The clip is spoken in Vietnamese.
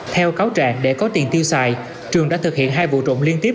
theo cáo trạng để có tiền tiêu xài trường đã thực hiện hai vụ trộm liên tiếp